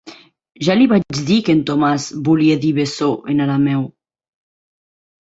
Ja li vaig dir que Tomàs vol dir bessó, en arameu.